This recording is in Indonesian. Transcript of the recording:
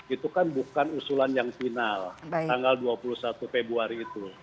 itu kan bukan usulan yang final tanggal dua puluh satu februari itu